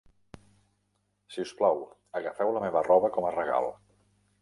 Si us plau, agafeu la meva roba com a regal.